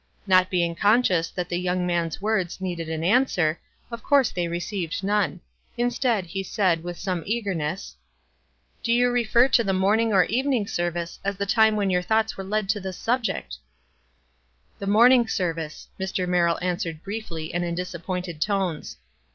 Not being conscious that the young man's words needed an answer, of course they received noue ; instead, he said, with some eagerness, — "Do you refer to the morning or evening ser vice as the time when your thoughts were led to this subject?" 204 WISE AND OTHERWISE. "The morning service," Mr. Merrill answered briefly, and in disappointed tones.